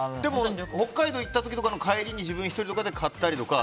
北海道に行った時とかの帰りに自分１人で買ったりとか。